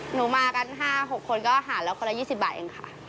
หนูมากัน๕๖คนก็หาแล้วคนละ๒๐บาทเองค่ะ